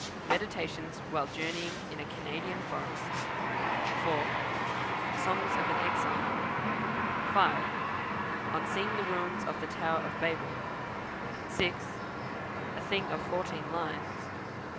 Meditations while Journeying in a Canadian Forest; 4. Song of an Exile; 5. On Seeing the Ruins of the Tower of Babel; 6. A Thing of 14 lines; 7.